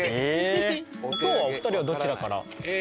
今日はお二人はどちらから？